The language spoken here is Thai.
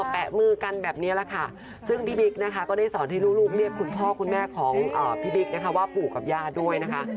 แปะมือกันแบบนี้แหละค่ะซึ่งพี่บิ๊กนะคะก็ได้สอนให้ลูกเรียกคุณพ่อคุณแม่ของพี่บิ๊กนะคะว่าปู่กับย่าด้วยนะคะ